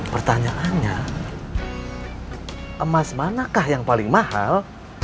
pertanyaannya emas manakah yang paling mahal